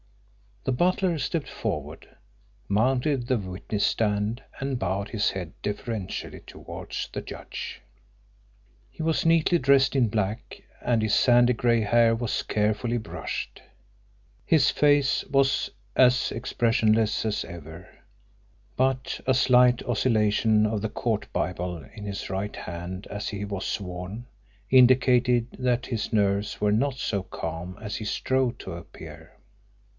The butler stepped forward, mounted the witness stand, and bowed his head deferentially towards the judge. He was neatly dressed in black, and his sandy grey hair was carefully brushed. His face was as expressionless as ever, but a slight oscillation of the Court Bible in his right hand as he was sworn indicated that his nerves were not so calm as he strove to appear.